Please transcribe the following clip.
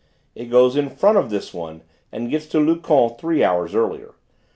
It goes in front of this one and gets to Luchon three hours earlier.